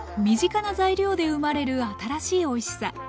身近な材料で生まれる新しいおいしさ。